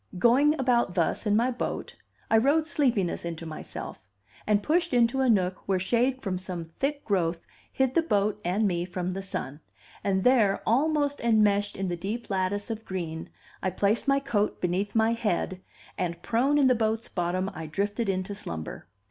Going about thus in my boat, I rowed sleepiness into myself, and pushed into a nook where shade from some thick growth hid the boat and me from the sun; and there, almost enmeshed in the deep lattice of green, I placed my coat beneath my head, and prone in the boat's bottom I drifted into slumber.